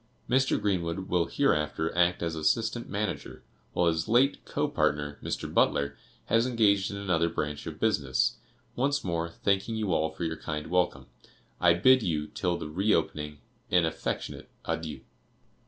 Mr. Greenwood will hereafter act as assistant manager, while his late co partner, Mr. Butler, has engaged in another branch of business. Once more, thanking you all for your kind welcome, I bid you, till the re opening, 'an affectionate adieu.